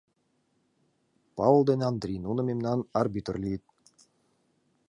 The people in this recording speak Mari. Павыл ден Андри, нуно мемнан арбитр лийыт.